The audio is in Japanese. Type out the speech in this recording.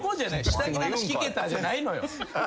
下着の話聞けたじゃないのよ。